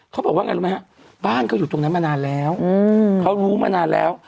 เขาบอกว่าไงรู้ไหมฮะบ้านเขาอยู่ตรงนั้นมานานแล้วเขารู้มานานแล้ว